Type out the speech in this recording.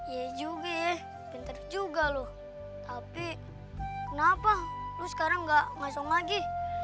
iya juga ya pinter juga lo tapi kenapa lo sekarang gak ngasong lagi